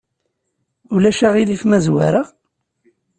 Ulac aɣilif ma zwareɣ?